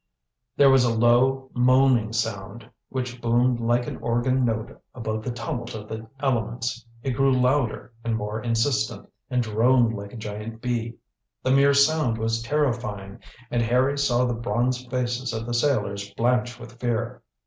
There was a low, moaning sound, which boomed like an organ note above the tumult of the elements. It grew louder and more insistent, and droned like a giant bee. The mere sound was terrifying, and Harry saw the bronze faces of the sailors blanch with fear.